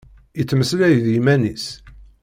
Ittmeslay d yiman-is.